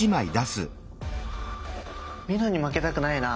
みのんに負けたくないな。